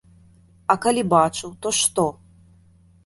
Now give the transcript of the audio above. А калі бачыў, то што?